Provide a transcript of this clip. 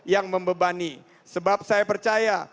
yang membebani sebab saya percaya